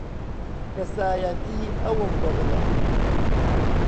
کەسایەتیی ئەوم بەدڵە.